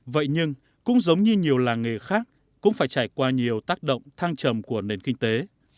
vậy nhưng cũng giống như nhiều làng nghề khác cũng phải trải qua nhiều tác động thăng trầm của nền kinh tế